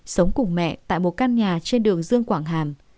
sống cùng mẹ tại một căn nhà trên đường dương quảng hàm